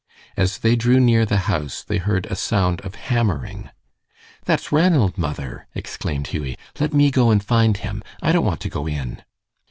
As they drew near the house they heard a sound of hammering. "That's Ranald, mother!" exclaimed Hughie. "Let me go and find him. I don't want to go in."